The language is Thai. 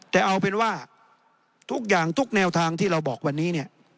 แต่เอาเป็นว่าทุกอย่างทุกแนวทางที่เราบอกวันนี้เนี่ย